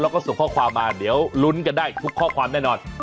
แล้วก็ส่งข้อความมาเดี๋ยวลุ้นกันได้ทุกข้อความแน่นอน